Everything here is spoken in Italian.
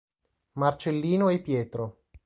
Marcellino e Pietro.